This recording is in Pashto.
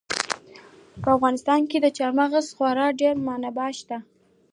په افغانستان کې د چار مغز خورا ډېرې منابع شته دي.